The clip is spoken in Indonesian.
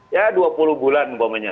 ya dua puluh bulan umpamanya